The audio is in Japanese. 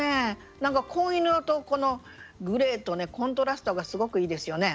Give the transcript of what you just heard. なんか紺色とこのグレーとねコントラストがすごくいいですよね。